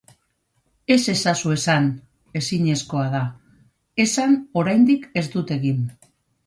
Ez ezazu esan: ezinezkoa da. Esan: oraindik ez dut egin.